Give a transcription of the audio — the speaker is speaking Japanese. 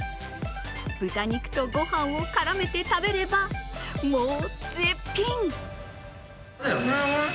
豚肉とごはんを絡めて食べればもう、絶品！